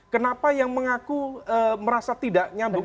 kenapa yang mengaku merasa tidak nyambung